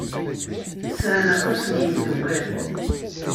Sɛan aṭas n yimeddukal.